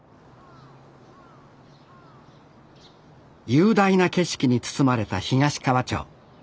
雄大な景色に包まれた東川町。